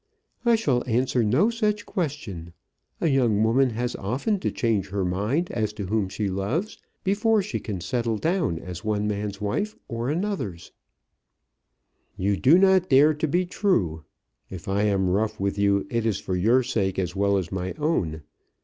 "I shall answer no such question. A young woman has often to change her mind as to whom she loves, before she can settle down as one man's wife or another's." "You do not dare to be true. If I am rough with you, it is for your sake as well as my own.